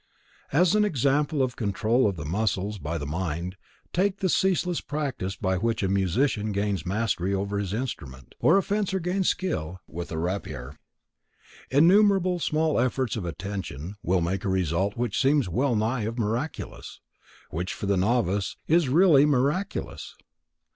As an example of control of the muscles by the mind, take the ceaseless practice by which a musician gains mastery over his instrument, or a fencer gains skill with a rapier. Innumerable small efforts of attention will make a result which seems well nigh miraculous; which, for the novice, is really miraculous.